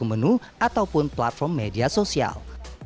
yang tertuang dalam buku menu ataupun platform media sosial